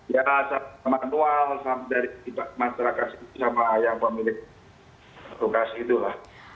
ya sama manual sama dari masyarakat sama yang pemilik lokasi itulah